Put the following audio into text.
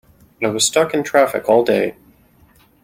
I was stuck in traffic all day!